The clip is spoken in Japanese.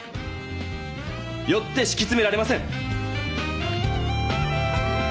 よってしきつめられません。